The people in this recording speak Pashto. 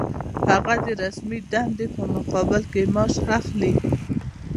هغه د رسمي دندې په مقابل کې معاش اخلي.